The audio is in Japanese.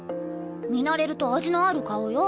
見慣れると味のある顔よ。